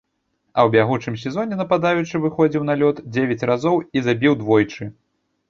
А ў бягучым сезоне нападаючы выходзіў на лёд дзевяць разоў і забіў двойчы.